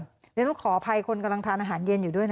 เดี๋ยวต้องขออภัยคนกำลังทานอาหารเย็นอยู่ด้วยนะ